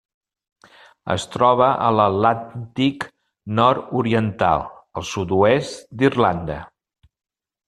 Es troba a l'Atlàntic nord-oriental: el sud-oest d'Irlanda.